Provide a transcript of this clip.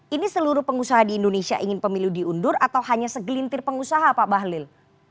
ini seluruh pengusaha di indonesia ingin pemilu diundur atau hanya segelintir pengusaha pak bahlil